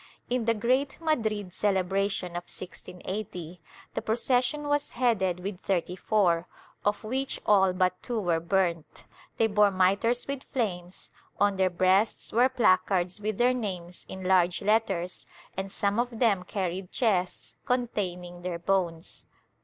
In the great Madrid celebration of 1680, the procession was headed with thirty four, of which all but two were burnt; they bore mitres with flames, on their breasts were placards with their names in large letters and some of them carried chests containing their bones.